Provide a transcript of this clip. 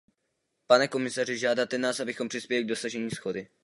Pane komisaři, žádáte nás, abychom přispěli k dosažení shody.